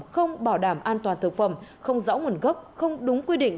không bảo đảm an toàn thực phẩm không rõ nguồn gốc không đúng quy định